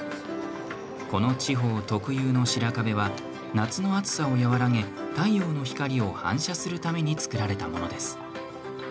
この地方特有の白壁は夏の暑さを和らげ、太陽の光を反射するために造られたものです。